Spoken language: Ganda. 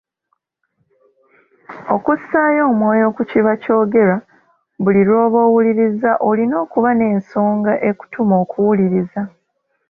Okussaayo omwoyo ku kiba kyogerwa, buli lw’oba owuliriza olina okuba n’ensonga okutuma okuwuliriza .